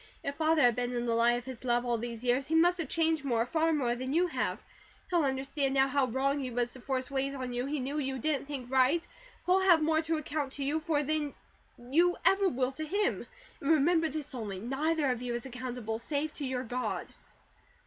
If Father has been in the light of His love all these years, he must have changed more, far more than you have. He'll understand now how wrong he was to force ways on you he knew you didn't think right; he'll have more to account to you for than you ever will to him; and remember this only, neither of you is accountable, save to your God."